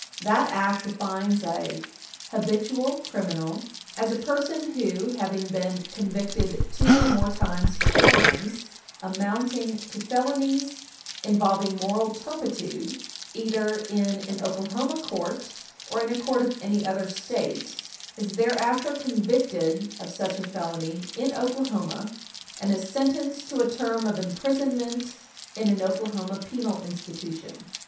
That Act defines an "habitual criminal" as a person who, having been convicted two or more times for crimes "amounting to felonies involving moral turpitude," either in an Oklahoma court or in a court of any other State, is thereafter convicted of such a felony in Oklahoma and is sentenced to a term of imprisonment in an Oklahoma penal institution.